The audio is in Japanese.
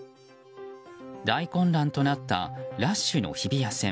大混乱となったラッシュの日比谷線。